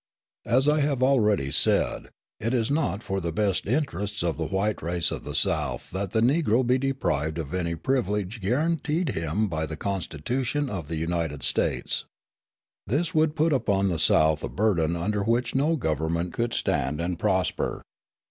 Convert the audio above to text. As I have already said, it is not for the best interests of the white race of the South that the Negro be deprived of any privilege guaranteed him by the Constitution of the United States. This would put upon the South a burden under which no government could stand and prosper.